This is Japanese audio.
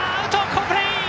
好プレー！